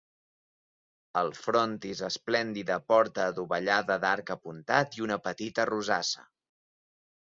Al frontis esplèndida porta adovellada d'arc apuntat i una petita rosassa.